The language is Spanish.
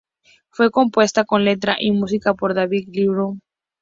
Fue compuesta en letra y música por David Gilmour.